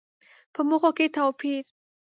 په موخو کې توپير.